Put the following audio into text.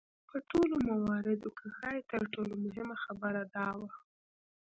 په ټولو مواردو کې ښايي تر ټولو مهمه خبره دا وه.